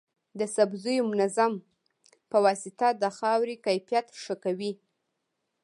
د سبزیو منظم پواسطه د خاورې کیفیت ښه کوي.